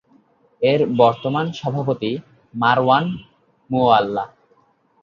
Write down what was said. এর বর্তমান সভাপতি মারওয়ান মুওয়াল্লা।